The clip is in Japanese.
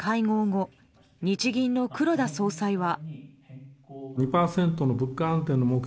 後日銀の黒田総裁は。